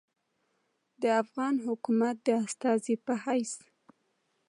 د افغان حکومت د استازي پۀ حېث